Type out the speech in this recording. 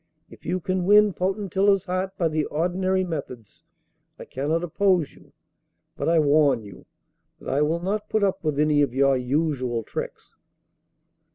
If you can win Potentilla's heart by the ordinary methods I cannot oppose you, but I warn you that I will not put up with any of your usual tricks.